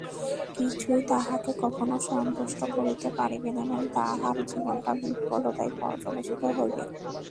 কিছুই তাহাকে কখনও সন্তুষ্ট করিতে পারিবে না, এবং তাহার জীবনটা বিফলতায় পর্যবসিত হইবে।